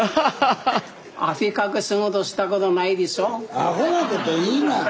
アホなこと言いな。